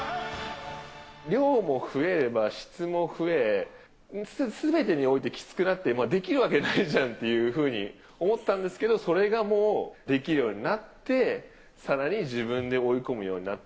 量も増えれば、質も増え、すべてにおいてきつくなって、できるわけないじゃんっていうふうに思ったんですけれども、それがもうできるようになって、さらに自分で追い込むようになった。